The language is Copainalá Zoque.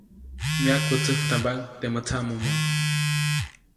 Myakwätsäktambaʼuŋ temäʼ tsaʼmomo.